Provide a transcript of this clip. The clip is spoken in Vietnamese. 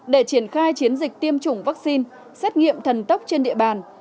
để triển khai chiến dịch tiêm chủng vaccine xét nghiệm thần tốc trên địa bàn